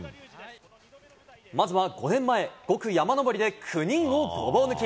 まずは５年前、５区山のぼりで９人をごぼう抜き。